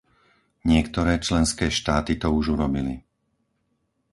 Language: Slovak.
Niektoré členské štáty to už urobili.